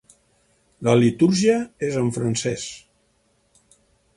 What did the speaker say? La litúrgia és en francès.